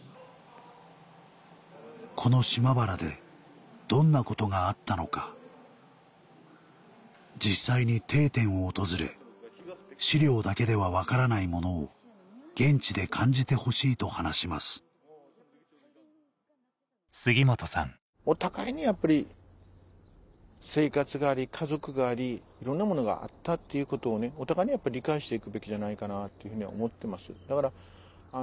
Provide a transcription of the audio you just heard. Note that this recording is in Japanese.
この島原でどんなことがあったのか実際に「定点」を訪れ資料だけでは分からないものを現地で感じてほしいと話しますお互いにやっぱり生活があり家族がありいろんなものがあったっていうことをお互いに理解して行くべきじゃないかなっていうふうには思ってますだから。